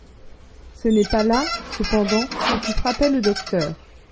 Ce n'est pas là, cependant, ce qui frappait le docteur.